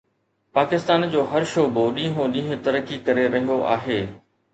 پاڪستان جو هر شعبو ڏينهون ڏينهن ترقي ڪري رهيو آهي